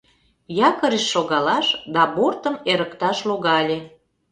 Якорьыш шогалаш да бортым эрыкташ логале.